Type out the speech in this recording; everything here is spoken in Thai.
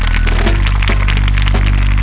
สวัสดีครับ